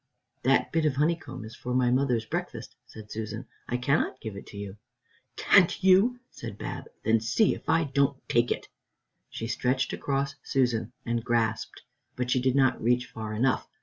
"That bit of honeycomb is for my mother's breakfast," said Susan; "I cannot give it you." "Can't you?" said Bab, "then see if I don't take it." She stretched across Susan and grasped, but she did not reach far enough.